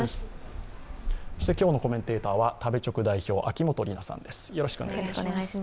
今日のコメンテーターは食べチョク代表、秋元里奈さんです